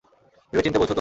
ভেবেচিন্তে বলছো তো?